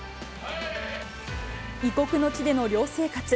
異国の地での寮生活。